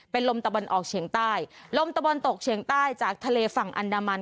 เป็นลมตะวันออกเฉียงใต้ลมตะวันตกเฉียงใต้จากทะเลฝั่งอันดามัน